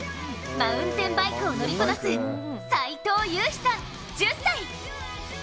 マウンテンバイクを乗りこなす齋藤結陽さん、１０歳。